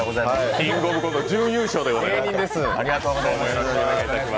「キングオブコント」準優勝でございます。